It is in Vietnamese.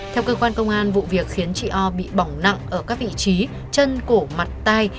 theo cơ quan công an vụ việc khiến chị o bị bỏng nặng ở các vị trí chân cổ mặt tai